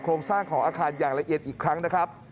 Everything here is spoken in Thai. โครงสร้างของอาคารอย่างละเอียดอีกครั้งนะครับ